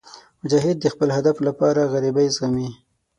مجاهد د خپل هدف لپاره غریبۍ زغمي.